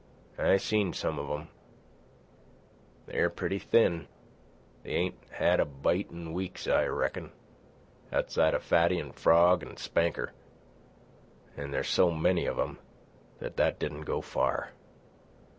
"I seen some of them. They're pretty thin. They ain't had a bite in weeks I reckon, outside of Fatty an' Frog an' Spanker; an' there's so many of 'em that that didn't go far.